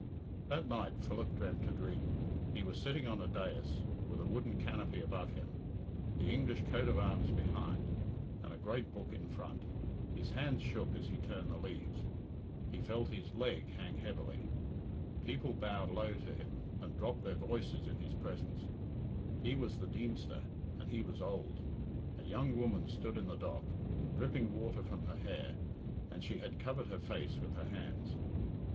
That night Philip dreamt a dream. He was sitting on a dais with a wooden canopy above him, the English coat of arms behind, and a great book in front; his hands shook as he turned the leaves; he felt his leg hang heavily; people bowed low to him, and dropped their voices in his presence; he was the Deemster, and he was old. A young woman stood in the dock, dripping water from her hair, and she had covered her face with her hands.